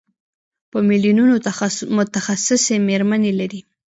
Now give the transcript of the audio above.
په میلیونونو متخصصې مېرمنې لري.